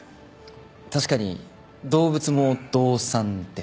確かに動物も動産です。